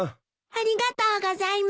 ありがとうございます。